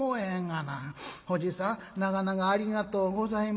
『おじさん長々ありがとうございました。